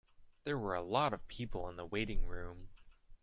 There were a lot of people in the waiting room.